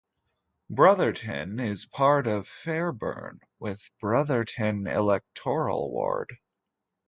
Brotherton is part of Fairburn with Brotherton electoral ward.